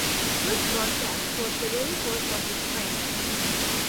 This broadcast was the very first of its kind.